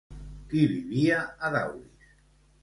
Qui vivia a Daulis?